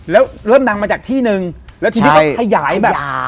แล้วเริ่มดังมาจากที่นึงแล้วทีนี้ก็ขยายแบบอ่า